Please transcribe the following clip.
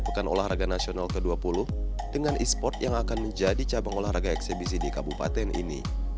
pekan olahraga nasional ke dua puluh dengan e sport yang akan menjadi cabang olahraga eksebisi di kabupaten ini